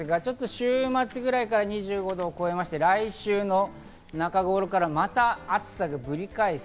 週末ぐらいから２５度を超えて来週中頃からまた暑さがぶり返す。